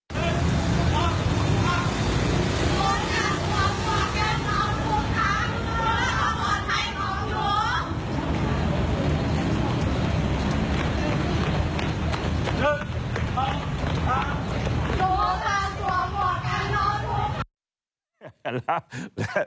สวมม็อกสวมหมวกกันน็อก